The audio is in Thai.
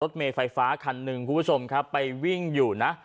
เมไฟฟ้าคันหนึ่งคุณผู้ชมครับไปวิ่งอยู่นะ